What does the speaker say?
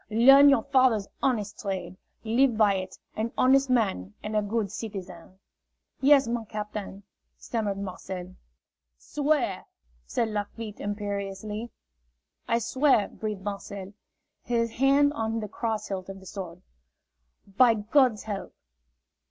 Learn your father's honest trade. Live by it, an honest man and a good citizen." "Yes, my captain," stammered Marcel. "Swear!" said Lafitte, imperiously. "I swear!" breathed Marcel, his hand on the cross hilt of the sword. "By God's help!"